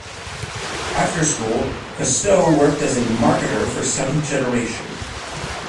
After school, Cousteau worked as a marketer for Seventh Generation.